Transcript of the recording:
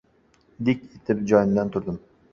“Dik” etib joyimdan turdim.